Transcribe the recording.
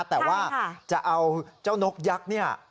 แต่ว่าจะเอาเจ้านกยักษ์เนี่ย